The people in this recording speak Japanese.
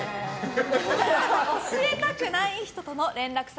教えたくない人との連絡先